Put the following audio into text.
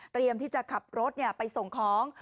เตรียมที่จะขับรถไปส่งของ